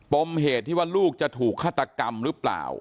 มเหตุที่ว่าลูกจะถูกฆาตกรรมหรือเปล่า